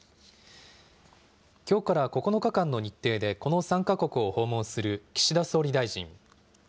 きょうから９日間の日程で、この３か国を訪問する岸田総理大臣。